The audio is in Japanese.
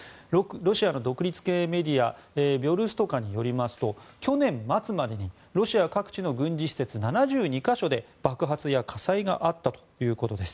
ロシアの独立系メディアビョルストカによりますと去年末までにロシア各地の軍事施設７２か所で爆発や火災があったということです。